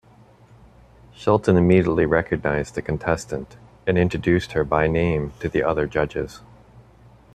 Shelton immediately recognized the contestant and introduced her by name to the other judges.